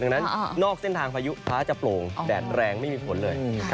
ดังนั้นนอกเส้นทางพายุฟ้าจะโปร่งแดดแรงไม่มีฝนเลย